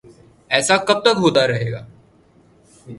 ایسا کب تک ہوتا رہے گا؟